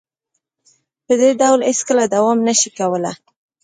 په دې ډول هیڅکله دوام نشي کولې